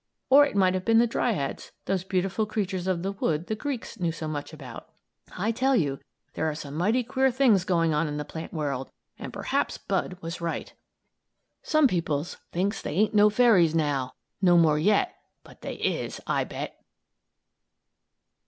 Or it might have been the dryads, those beautiful creatures of the wood the Greeks knew so much about. I tell you there are some mighty queer things going on in the plant world, and perhaps Bud was right! "Some peoples thinks they ain't no Fairies now, No more yet! But they is, I bet!"